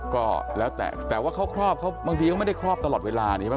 ก็แล้วแต่แต่ว่าเขาครอบเขาบางทีเขาไม่ได้ครอบตลอดเวลาใช่ไหม